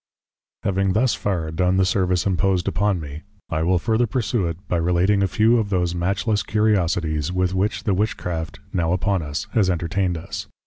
Having thus far done the Service imposed upon me; I will further pursue it, by relating a few of those Matchless CURIOSITIES, with which the Witchcraft now upon us, has entertained us.